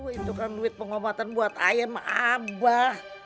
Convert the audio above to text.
itu kan duit pengobatan buat ayam abah